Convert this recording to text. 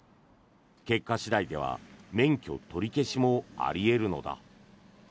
結果次第では免許取り消しもあり得るのだ。